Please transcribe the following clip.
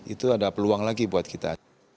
itu ada peluang lagi buat kita